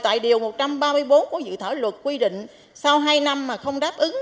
tại điều một trăm ba mươi bốn của dự thảo luật quy định sau hai năm mà không đáp ứng